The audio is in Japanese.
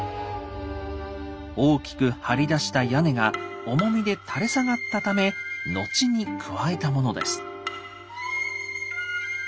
大きく張り出した屋根が重みで垂れ下がったため後に加えたものです。